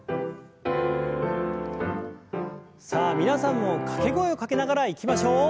さあ皆さんも掛け声をかけながらいきましょう。